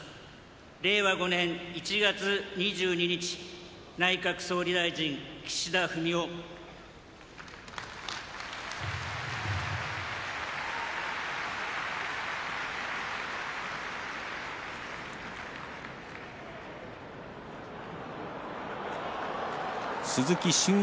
令和５年１月２２日内閣総理大臣岸田文雄鈴木俊一